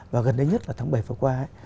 và gần đây nhất là tháng bảy vừa qua ấy